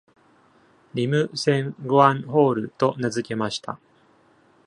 リム・セン・グアン・ホールと名付けました。